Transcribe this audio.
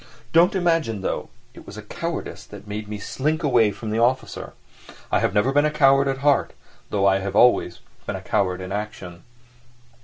Don't imagine, though, it was cowardice made me slink away from the officer; I never have been a coward at heart, though I have always been a coward in action.